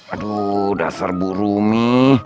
aduh dasar bu rumi